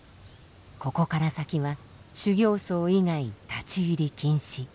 ここから先は修行僧以外立ち入り禁止。